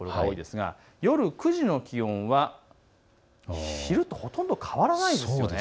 夜９時の気温は、昼とほとんど変わらないんです。